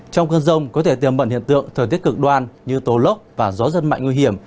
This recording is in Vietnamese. trong cơn rông có thể tiềm mẩn hiện tượng thời tiết cực đoan như tố lốc và gió rất mạnh nguy hiểm